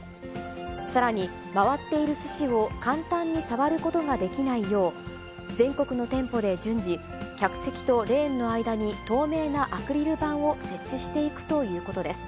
さらに、回っているすしを簡単に触ることができないよう、全国の店舗で順次、客席とレーンの間に透明なアクリル板を設置していくということです。